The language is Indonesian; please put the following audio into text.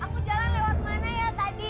aku jalan lewat mana ya tadi